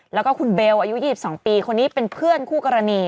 แล้วก็คุณเบลอายุ๒๒ปีคนนี้เป็นเพื่อนคู่กรณี